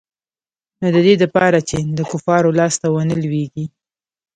نو د دې د پاره چې د کفارو لاس ته ونه لوېږي.